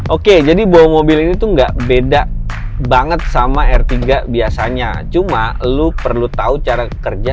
oke jadi bawa mobil ini tuh enggak beda banget sama r tiga biasanya cuma lo perlu tahu cara kerja